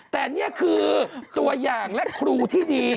แต่นี่คือตัวอย่างและครูที่ดี